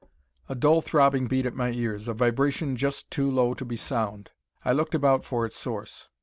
A dull throbbing beat at my ears, a vibration just too low to be sound. I looked about for its source.